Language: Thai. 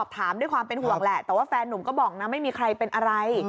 แต่ว่าแฟนนุ่มก็บอกไม่มีใครเป็นอะไร